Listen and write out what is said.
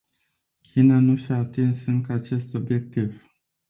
China nu și-a atins încă acest obiectiv.